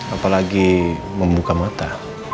apalagi membuka mata